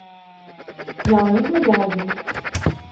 Yalnız mı geldin?